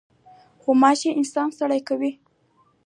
غوماشه انسان ستړی کوي.